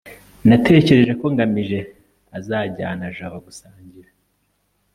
natekereje ko ngamije azajyana jabo gusangira